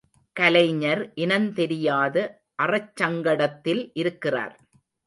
கலைஞர் இனந்தெரியாத அறச்சங்கடத்தில் இருக்கிறார்.